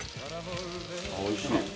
おいしい。